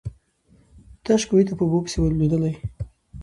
تش کوهي ته په اوبو پسي لوېدلی.